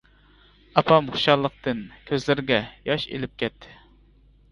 ئاپام خۇشاللىقتىن كۆزلىرىگە ياش ئېلىپ كەتتى.